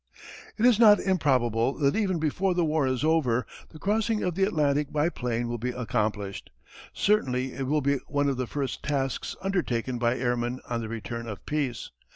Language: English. It is not improbable that even before the war is over the crossing of the Atlantic by plane will be accomplished. Certainly it will be one of the first tasks undertaken by airmen on the return of peace.